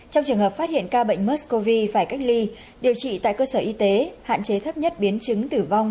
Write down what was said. trong trường hợp phát hiện ca bệnh mexcov phải cách ly điều trị tại cơ sở y tế hạn chế thấp nhất biến chứng tử vong